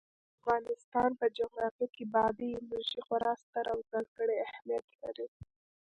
د افغانستان په جغرافیه کې بادي انرژي خورا ستر او ځانګړی اهمیت لري.